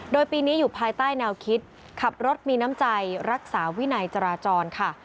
โดยปีนี้อยู่ภายใต้แนวคิดขับรถมีน้ำใจรักษาวินัยจราจรค่ะ